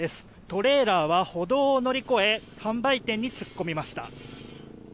トレーラーは歩道を乗り越え販売店に突っ込みました。